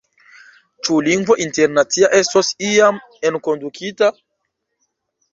Ĉu lingvo internacia estos iam enkondukita?